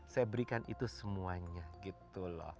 saya berikan itu semuanya gitu loh